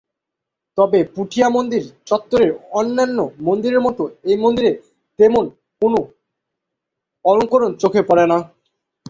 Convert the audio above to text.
তবে পুঠিয়া মন্দির চত্বরের অন্যান্য মন্দিরের মত এই মন্দিরে তেমন কোন অলঙ্করণ চোখে পড়ে না।